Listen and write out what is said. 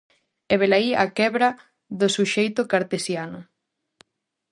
E velaí a quebra do suxeito cartesiano.